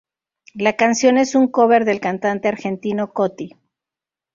La canción es un cover del cantante argentino Coti.